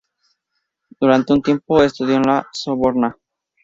Durante un tiempo estudió en la Sorbona.